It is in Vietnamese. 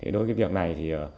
đối với việc này thì